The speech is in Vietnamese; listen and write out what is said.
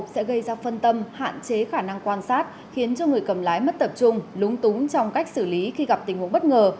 sẽ gây ra phân tâm hạn chế khả năng quan sát khiến cho người cầm lái mất tập trung lúng túng trong cách xử lý khi gặp tình huống bất ngờ